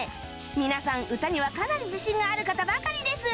皆さん歌にはかなり自信がある方ばかりです